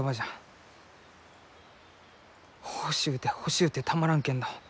欲しゅうて欲しゅうてたまらんけんど